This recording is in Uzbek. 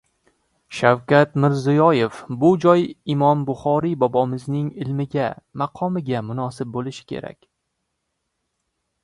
Shavkat Mirziyoev: "Bu joy Imom Buxoriy bobomizning ilmiga, maqomiga munosib bo‘lishi kerak"